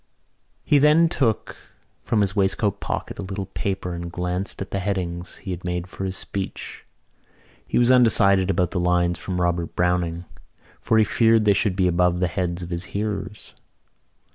He then took from his waistcoat pocket a little paper and glanced at the headings he had made for his speech. He was undecided about the lines from Robert Browning for he feared they would be above the heads of his hearers.